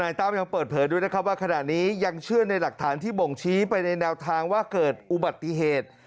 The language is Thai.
ตั้มยังเปิดเผยด้วยนะครับว่าขณะนี้ยังเชื่อในหลักฐานที่บ่งชี้ไปในแนวทางว่าเกิดอุบัติเหตุ